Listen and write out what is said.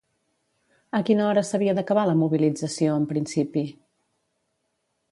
A quina hora s'havia d'acabar la mobilització, en principi?